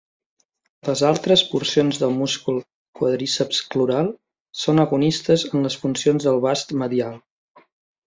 Les altres porcions del múscul quàdriceps crural són agonistes en les funcions del vast medial.